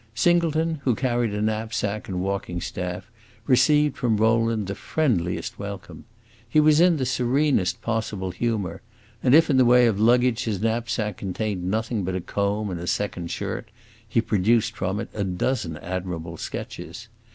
Singleton, who carried a knapsack and walking staff, received from Rowland the friendliest welcome. He was in the serenest possible humor, and if in the way of luggage his knapsack contained nothing but a comb and a second shirt, he produced from it a dozen admirable sketches.